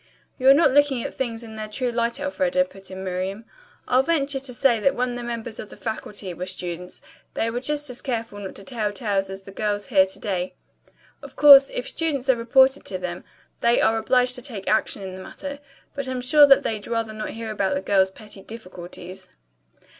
"You are not looking at things in their true light, Elfreda," put in Miriam. "I'll venture to say that when the members of the faculty were students they were just as careful not to tell tales as are the girls here to day. Of course, if students are reported to them, they are obliged to take action in the matter, but I'm sure that they'd rather not hear about the girls' petty difficulties."